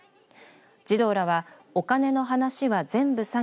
児童らはお金の話は全部サギ！